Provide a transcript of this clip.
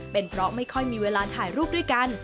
เป็นเพราะไม่ค่อยมีเวลาถ่ายรูปด้วยกัน